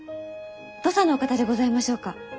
土佐のお方でございましょうか？